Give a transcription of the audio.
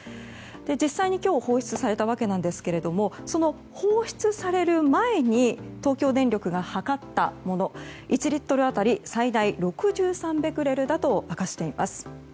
実際に今日放出されたわけですがその放出される前に東京電力が測ったもの１リットル当たり最大６３ベクレルだと明かしています。